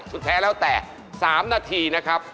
สุดท้ายแล้วแต่๓นาทีนะครับ